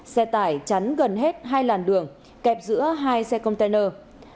xe tải chắn gần hết hai làn đường kẹp giữa hai xe container